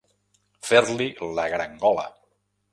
Fer-li la garangola.